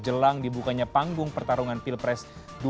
jelang di bukanya panggung pertarungan pilpres dua ribu dua puluh empat